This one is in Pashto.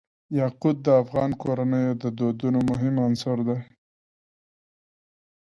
یاقوت د افغان کورنیو د دودونو مهم عنصر دی.